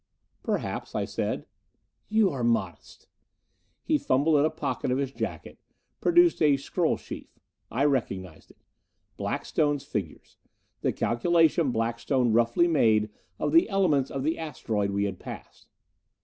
"Perhaps," I said. "You are modest." He fumbled at a pocket of his jacket, produced a scroll sheaf. I recognized it: Blackstone's figures; the calculation Blackstone roughly made of the elements of the asteroid we had passed.